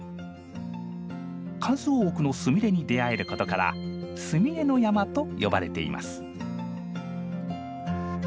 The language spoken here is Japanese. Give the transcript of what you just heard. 数多くのスミレに出会えることから「スミレの山」と呼ばれています。